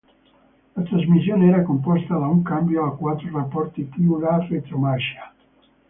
La trasmissione era composta da un cambio a quattro rapporti più la retromarcia.